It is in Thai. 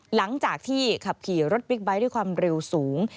หลังจากที่ขับขี่รถบิ๊กไบท์ด้วยความเร็วสูง